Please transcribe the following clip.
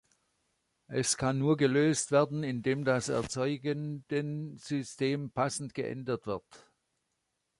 Es kann nur gelöst werden, indem das Erzeugendensystem passend geändert wird.